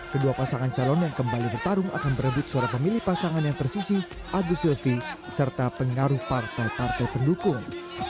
kedua pasangan calon yang kembali bertarung akan berebut suara pemilih pasangan yang tersisi agus silvi serta pengaruh partai partai pendukung